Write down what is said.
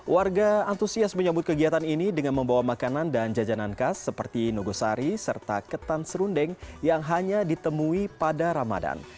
warga antusias menyambut kegiatan ini dengan membawa makanan dan jajanan khas seperti nogosari serta ketan serundeng yang hanya ditemui pada ramadan